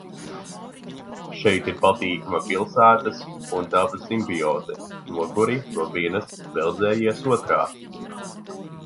Šeit ir patīkama pilsētas un dabas simbioze – noguri no vienas, veldzējies otrā.